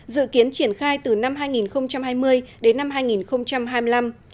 dự kiến triển khai từ năm hai nghìn hai mươi đến năm hai nghìn hai mươi năm